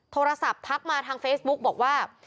โทรศัพท์ทักมาทางเฟซบุ๊กบอกว่า